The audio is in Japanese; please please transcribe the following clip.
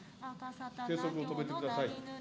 計測を止めてください。